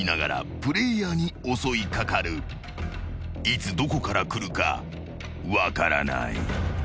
［いつどこから来るか分からない］